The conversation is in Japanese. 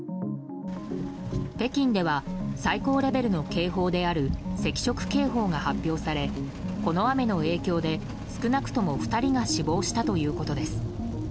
北京では最高レベルの警報である赤色警報が発表されこの雨の影響で、少なくとも２人が死亡したということです。